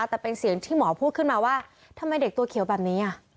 แต่เป็นเสียงที่หมอพูดขึ้นมาว่าทำไมเด็กตัวเขียวแบบนี้